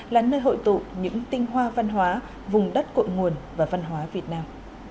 là nơi hội tụ những tinh hoa văn hóa vùng đất cội nguồn và văn hóa việt nam